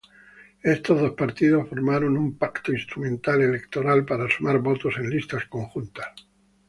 Estos dos partidos formaron un pacto instrumental electoral para sumar votos en listas conjuntas.